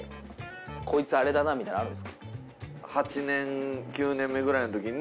こいつあれだなみたいなのあるんですか？